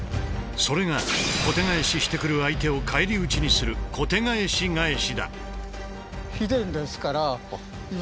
それが小手返ししてくる相手を返り討ちにする「小手返し返し」だ。